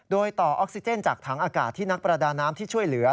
โดยต่อออกซิเจนจากถังอากาศที่นักประดาน้ำที่ช่วยเหลือ